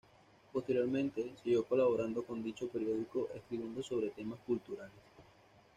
Posteriormente siguió colaborando con dicho periódico, escribiendo sobre temas culturales.